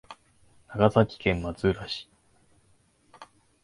長崎県松浦市